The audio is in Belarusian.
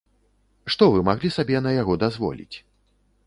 Што вы маглі сабе на яго дазволіць?